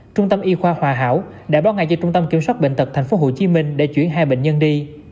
trung tâm y khoa hòa hảo đã báo ngay cho trung tâm kiểm soát bệnh tật tp hcm để chuyển hai bệnh nhân đi